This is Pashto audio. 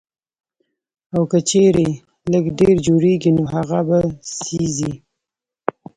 او کۀ چرې لږ ډېر جوړيږي نو هغه به سېزئ